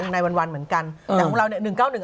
ในวันเหมือนกันแต่ของเราเนี่ย